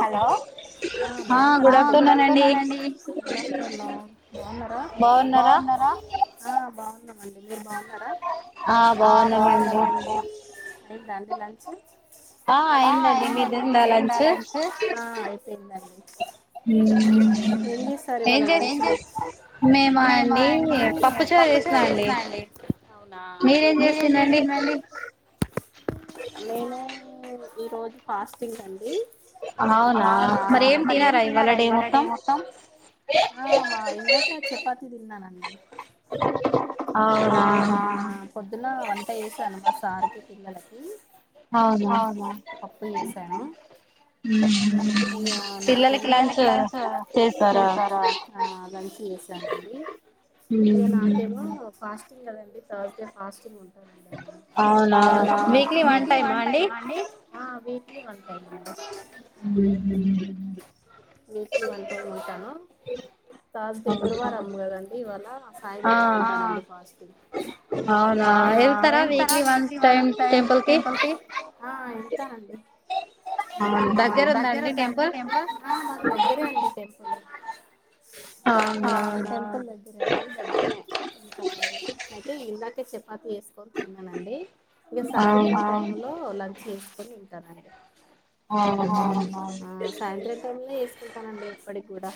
Hello బాగున్న మడి బా బాగున్నామండి అయిందాండి లంచ్ అయిందండి ఇదిందా లంచ్ ఆ పన్నండి రి మేము అండి పప్పు చ చేసినండి అవునా మీరేం చేసిండి ఈ రోజు ఫాస్టింగ్ అండి అవునా మర ఏం తినారా ఇవాళ డే మొత్తం ఇంకాస చపాతి తిన్నాను అంటడి ఆ పొద్దున్న వంట వసాను మా సార్కి పిల్లలకి అవునా పప్పులు చేసానా నాకేమ పిల్లకి లంచ్ చేస్తారా లంచ్ చేసానండి ఇక నాకేమో ఫాస్టింగ్ కదండి థర్డ్ ఫాస్టింగ్ ఉంటంది అవునా వీక్లీ వన్ టైమ్ అండి వంతాయి మ వీక్లీ వన్స్ ఏ ఉంటాను తాజ్ డే గురువారం ఉంది కదా ఇవాల సాయిబాబా ఉంటానండి ఫాస్టింగ్ అవునా వెళ్తారా వీక్లి వన్ టైమ్ టెంపుల్ కి దగ్గర ఉందండి టెంపుల్ మా దగ్గరే అండి టెంపుల్ త దగ్గరండి దగ్గరనేతారండి అయితే ఇ ప్పుడే చపాతి వేసుకొని తిన్నానండి ఇక సాయంత్రం టైమ్ లో ల చేసుకొని ఉంటాను అండి సాయంత్రం టైంలో చేసుకుంటానండి ఎప్పటి కూడా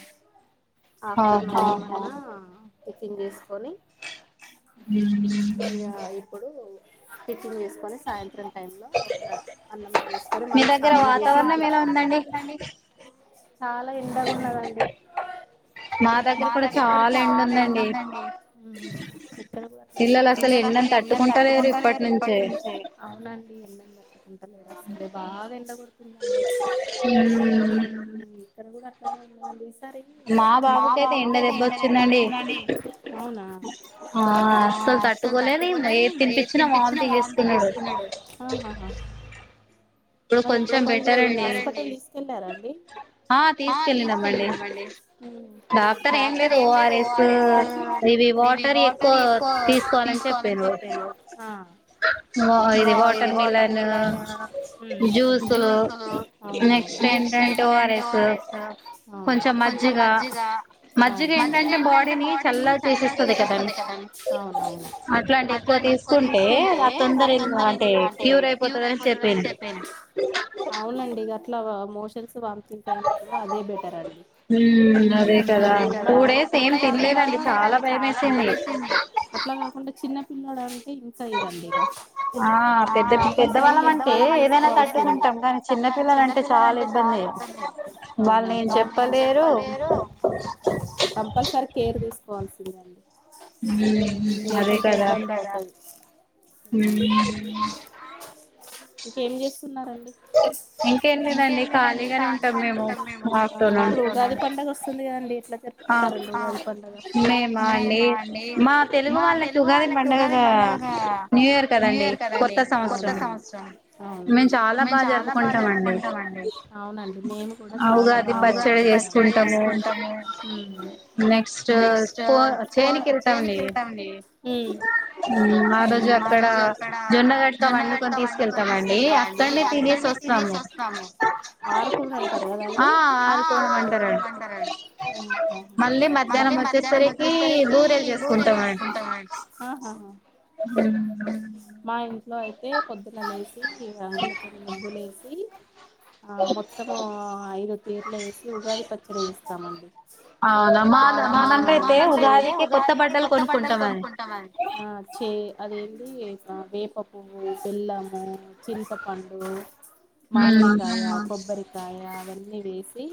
ఆఫ్టర్నూన్ ఆ కుకింగ్ చేసుకొని హుమ్ ఇగ ఇప్పుడు టిఫిన్ చేసుకొ కని సాయంత్రం టై లో ఉ అన్నం చేసుకొని మళ్ళీ సాయంత్రం తవర్ణం ఎలా ఉందండి. చాలా ఎండగ ఉన్నదండి. మా దగ్గర కూడా చాలా ఎండుందండి. పిల్లలు అసలు ఎండని తట్టుకుంటలేరు ఇప్పటి నుంచే. అంట లేరా ఈ సారి బాగా ఎండ కోడ్ [inaudible] హుమ్ ఇక్కడ కూడా అట్లనే ఉందండి. ఈ సారి వర్షాలు [inaudible] అవునా అహహ ఇప్పుడు కొం [inaudible] హాస్పటల్ తీసుకెళ్లారండి. ఉహు ఆ వా ఇది వాటర్మిలన్ జూ జ్యూస్ నెక్స్ట్ ఏంటంటే ఓఆర్ఎస్ కొంచం మజ్జిగ మజ్జిగ ఏంటంటే బాడీని చల్ల చేసిస్తుంది కద అట్లాంటి ఎక్కువ తీ కుంటే ఆ తొందర [inaudible] అంటే క్యూర్ అయిపోతదని చెప్పిండు. అవునండి ఇగ అట్లా వ మోషన్స్ స్తు వాంతింగ్స్ అయినప్పుడు అదే బెటర్ అండి. [inaudible] కూడా కాకుండా. అట్ల కాకుండా చిన్న తినడం ఇంత ఇదండి ఇగా కంపల్సరీ కేర్ తీసుకోవలిసిందే. అకుంటాం కానీ చిన్నపిిల్లల అంటే చాలా ఇబ్బంది అవునా వాళ్ళు ఏేను చెప్పలేరు కంపల్సరీ కేర్ తీసుకోవాలి దినాలి హ్మ్ అదే కదా ఉహు ఇంకేం చేస్తున్నారండి. అవ్ ఇప్పుడు ఉగాది పండుగ వస్తుంది కదా అండి. ఎట్ల జరుపుకుంటారండి ఉగాది పండగ. అవునవును అవును. అవునండి మేము కూడా చాలా బాగా [inaudible] ఉమ్ ఉమ్ ఆరుకునుడు అంటారు కదా అండి [inaudible] బ ఆహా ఆ మాయ లో అయితే పొద్దున్న లేసి రంగులతో ముగ్గులేసి ఆ మొత్తము ఐదు తీర్ల వేసి ఉగాది పచ్చడి వేసి ఇచ్చామండి [unintelligible] ఉగాది కి కొత్త బట్టలు కొనుకుంటా మండి వేప పువ్వు, బెల్లము, చింతపండు ఊ మామిడికాయ కొబ్బరి కాయ అవన్నీ వేసి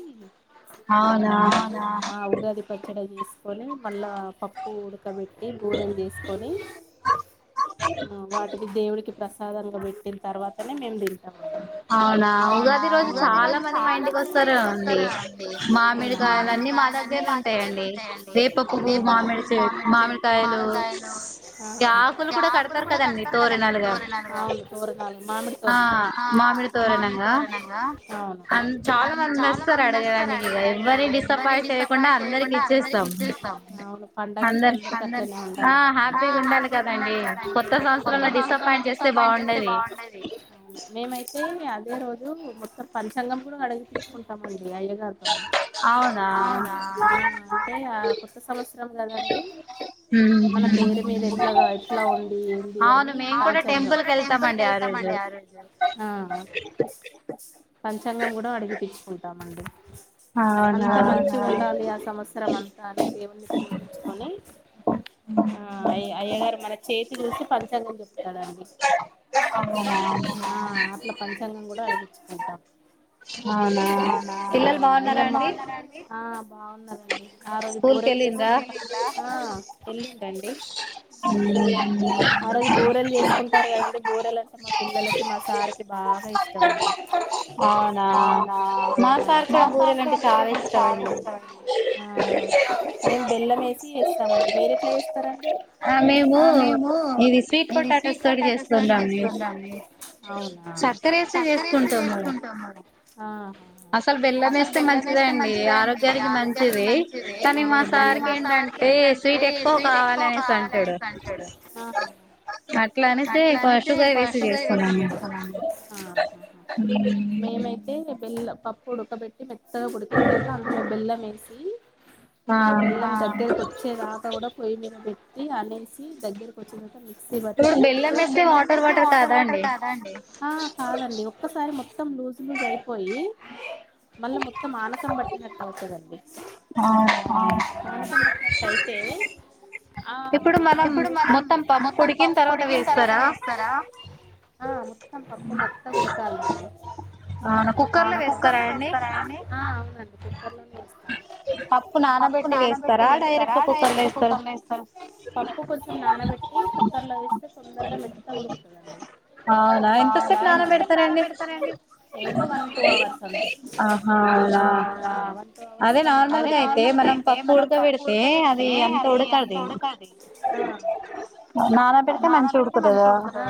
ఆనా ఉగాది పచ్చడి చేసి పోని మళ్ళా పప్పు ట్టి బూరెలు చేసుకొని వాటి ఈ దేవుడికి ప్రసాదంగా పెట్టిన తర్వాతనే మేము తింటాం అవునా ఉగాది రోజు చాలా మంది మా ఇంటికి వస్తారా అండి మామిడికాయలు అన్ని మా దగ్గర ఉంటాయండి వేప పువ్వు మామిడి మామిడికాయలు ఆకులు కూడా కడతారు కదండి తోరణాలుగా మామిడితోరణాలు మామిడి తోరణంగా చాలా మందితెస్తారు అడగడానికి ఇ ఎవ్వరి డిసప్పాయింట్ చేయకుండా అందరికి ఇచ్చేస్తాం హ్యాపీగా ఉండాలి కదండి కొత్త సంస్క డిసపాయింట్ చేస్తే బాగుండదు మేమైతే అదే రోజు మొత్తం పంచంగం అడిగిపించుకుంటామండి అయ్య గారితోని అవునా అంటే ఆ కొత్త సంవత్సరం కదండి మన పేరు మీద ఎట్లా ఎట్లా ఉంది ఏంది అని అవును మేము కూడా టెంపుల్ వెళ్తామండి ఆ రోజు ఆ పంచాంగం కూడా అడిగి తెచ్చుకుంటామండి అంతా మంచి ఉండాలి ఆ సంవత్సరం అంతా అ దేవుణి పూజించుకొని ఆ అయ అయ్యగారు మన చేతి కలిసి పంచాంగం చెప్తాడండి అవునా ఆ ఆట్ల పంచాంగం కూడా అడిగించుకుంటాం అవునా పిల్లలు బావున్నారా అండి ఆ బాగున్నారండి ఆ రోజు బూరెలు చేసుకుని ఏండి ఆ రోజు బూరెల్ చేేసుకుంటారు కదండి బూరెలు మా పిల్లలు మా సార్ బాగా ఇష్టమండి అవునా మాసార్కుకూడా బూరెలంటే చాలా ఇష్టమండి నేను బెల్ల వేసి మండి వేరేచేయిస్తార ఆ మేము ఇది స్వీట్ పొటాటోస్ తోటి చేస్తున్నామి అవునా చక్కర ఏసే చేసుకుంటాము అసలు బెల్లం వేస్తే మంచిద అండి ఆరోగ్యానికి మంచిది కానీ మా సార్కి ఏంటంటే స్వీట్ ఎక్కువ కా అంటాడు అట్లా అనేసే షుగర్ వేసి చేస్తున్నా టుచేసుకున్నం ఆ మేమైతే బెల్లం పప్పు ఉడకపెట్ మెత్తగా ఉడికిన తర్వాత అంత బెల్లం వేసి సి ఆ బెల్లం దెగ్గరికి వచ్చేదాకా కూడా పోయి మీద పెట్ అనేసి దగ్గరకు వచ్చిన తర్వాత మీ సి వత్తి కదాండి మళ్ళా మొత్తం ఆనకం పట్టినట్టు అవుతదండి ఆ ఆ కైతే ఆ ఇప్పుడు మనం మొత్తం పప్పు పొడికిన తర్వాత వేస్తారా ఆ పప్పు మెత్తగా ఉడకాలి అవుజా కుక్కర్ లో వేస్తారా అండి కుక్కర్లోనే వేస్త పప్పు నానబెట్టి వేస్తారా ఆ డైరెక్ట్ గా కుక్కర్లో వేస్తారా ఈ కుక్కర్ లో వెస్తే తోందరగా మెత్తగా ఉడుకుతది అండి అవునా ఎంత సేపు నానాపెడతారు అండి ఆహా అవునా నానాపెడితే మంచిగా ఉడుకుతదా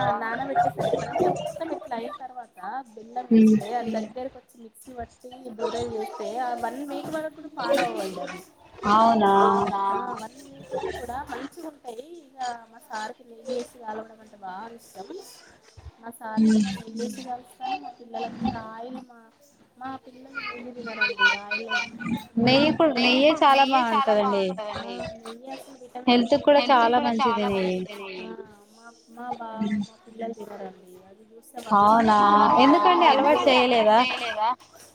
తినేసరికి [unintelligible] మోతం ఇట్లా అయిన తర్వాత బెల్లం వేస్తే అది దగ్గరకి వచ్చి మీ శివ ట్ ఈ దూరం వేస్తే ఆ మనం వన్ ఇయర్ వరుకు కూడా పాడవ వండి డి అవి వన్ ఇయర్ వరకు కూడా మంచిగా అయి ఇగ మా సార్కి నెయ్యి ఎసి కాలవడం అంటే బాగా ఇష్టం మా సార్కి ఏమో నియేసికలుస్తాను మా పిల్లలకి ఆయిల్ మా మా పిల్లలు నెయ్యి తినారండి ఆయిల్ నెయ్యి నెయ్యి అసలు విటమిన్ ఫుడ్ కానీ ఆ మా బా పిల్లలు తినరండి అది చిన్నపబ ఎందుకండి అలవాటు చేయలేదా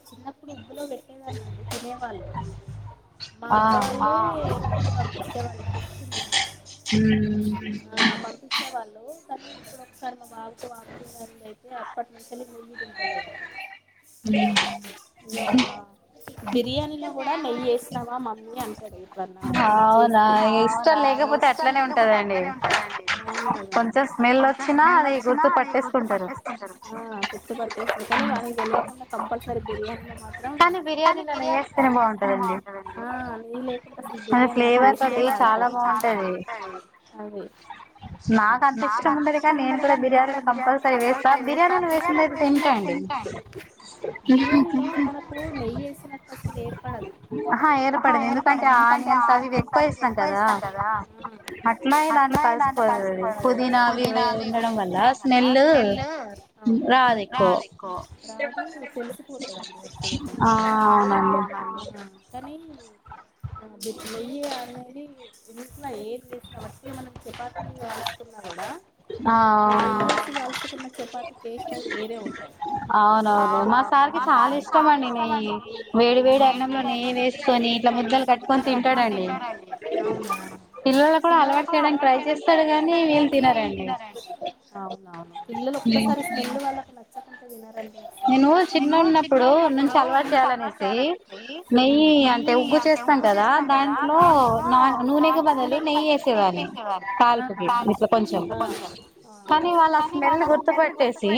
చిన్నప్పుడు ఇంట్లో పెట్టేదాన్నిండి తినేవాళ్ళు మా అక్క వాళ్ళు ఆ నెయ్యి పంపించేవాళ్ళు చె నెయ్యి ఆ పంపించే వాళ్ళు కానీ ఇప్పుడు మాకు ఆమ్ తిందంద అయితే అప్పటి నుంచిలి ముూలి తింటలేదండి బిర్యానీలో కూడా నెయ్యి వేసినవా మమ్మీ అంటది చేస్తున్నావా అవునా ఇష్టం లేకకు అట్నే ఉంటందండిం అవును కదా అంది కొ నళ్లొచ్చినా అది గుర్తు పట్టేకుంటారు గుర్తు పట్టేస్తారు కానీ వాళ తెలవకుండా కంపల్సరీ బిర్యానీలో మాత్రం కానీ బిర్యాస్త వేస్త నే బాగుంటది అండి నీల్ అసలు బిర్యానీ ఆకు ఆ ఫ్లేవర్ తోటి చాలా బాగుంటాది పని నాకు అంత ఇష్టం ఉండది తొందరగా నేను కూడా బిర్యానీలు కంపల్సరీ వేస్తా బిర్యానీ వేసిందైతే తింటా అండి బిర్యానీ లూస్ ఉన్నపుడు నాయి వేసిన ఏర్పడదు ఆ ఏర్పడదు ఆ ఏర్పడదు ఎందుకంటే ఆనియన్ వేస్తం కదా ఉమ్ అట్లా పలుసుకోది పుదీనావి అవ్వి ఇవివి ఉంచడం వల్ల స్మెల్ అవును రాదు ఎక్కువ రాదు తెలిసిపోతుండి వట్టిగానే ఆ అవునండీ అనీ ఆ బిట్ల అన్నరి ఎంట్లా ఏది చేసిన వట్లే మనం చపాతీలు వస్తుకున్నా కూడా ఆ అ క చెత టేస్ట్ అది వేరే ఉంటా అవునవును నా కాకి చాలా ఇష్టమ అండి న వేడి వేడి అన్నంలో నే వేసుకొని ఇట్లా ముద్దలు కట్టుకొని తింటాడండివు పిల్లలు కూడా అలవాటు చేయడానికి ట్రై చేస్తాడు కానీ వీళ్ళు తినారండి అవునవును పిల్లలు ఒక్కసారిడ్ వాళ్ళకు నచ్చ కొంటా వినారా నేను చిన్న ఉన్నప్పుడు నుంచి అల్లా చేయాలనేసి నెయ్యి అంటే ఉ చేస్తాను కదా దాంట్లో నా నూనెగా బనలు నెయ్యి వేసేవా పాలకుకి కొంచెం కానీ వాళ్ళ ఆ స్మెల్ గుర్తు పెట్టేసి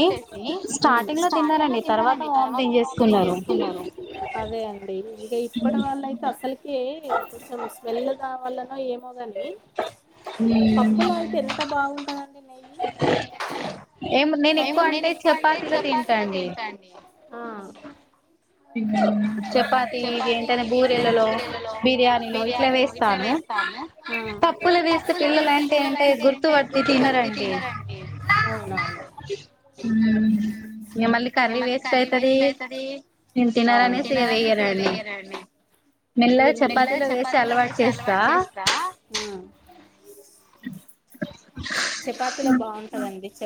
స్టార్టింగ్ లో లో తిన్నారంండి తర్వాత పింగ్ చేసుకున్నారు అదే అండి ఇక ఇప్పుటి వాళ్ళ అసలు ఏ కొంచెం స్మెల్ కావాలన ఏం ని పప్పులు అయితే ఎంత బాగుంట నేను ఎక్కువ అంటే చెప్పాల్సిగా తింటాండి చపాతి ఇ ఏంటనే బూరెలలో బిర్యానీలో ఇట్లా వేస్తాను పప్పులు వేస్తే పిల్లలు అంటే ఏంటే గుర్తు పడిత వట్టి తినారండి అవున మమ్మళ కర్రీ వేస్ట్ అవుతది టినర అనేసి ఇక వేగనడి ఇ మెల్లగా చపాతీలో వేసి అలవాటు చేస్తా చపాతల బాగుంట [inaudible] అయితే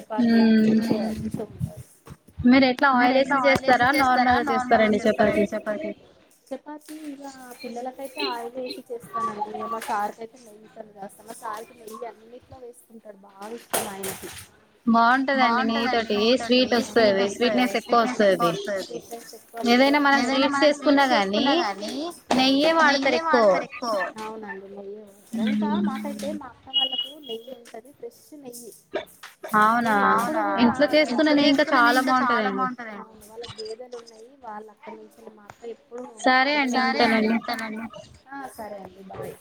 ఆయిసి చేస్తానండి మా స అ అయితే నెయ్యి త చేస్తా మ సాకి నెయ్యి అన్నిట్లో వేసుకుంట బాగా ఇష్టం నాయినది బాగుంటదండి నెయ్యి తోటి స్వీట్ వస్తుది స్వీట్నెస్ ఎక్కువ వస్తుది ఏదైనా మనం స్వీట్స్ చేసుకున్నా గాని నెయ్యే వాడతారు ఎక్కువవున నయ వాళ్ళకు లెగల్ ఉంటది బెస్ అవు ఇంట్లా చేసుకునే ఇంకా చాలా బాగుంటంది వాళ్ళ గేదెలు ఉన్నాయి వాళ్ళు అక్కడ నుషిన మాత్ర ఎప్పుడు సరే అండి ఉంటానండి సరే అండి బాయ్